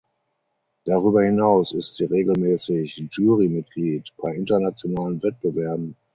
Darüber hinaus ist sie regelmäßig Jurymitglied bei internationalen Wettbewerben.